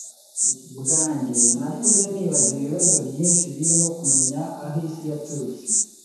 bwanjye nakuze nibaza ibibazo byinshi birimo kumenya aho isi yaturutse